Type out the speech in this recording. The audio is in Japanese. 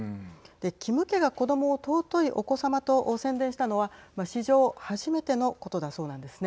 キム家が子どもを尊いお子様と宣伝したのは史上、初めてのことだそうなんですね。